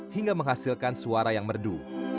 hingga menghasilkan suara yang merdu